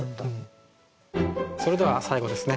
それでは最後ですね